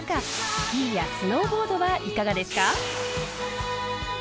スキーやスノーボードはいかがですか？